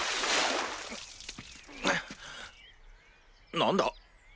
何だ？